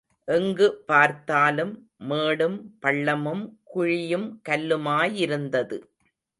எங்கு பார்த்தாலும் மேடும், பள்ளமும் குழியும், கல்லுமாயிருந்தது.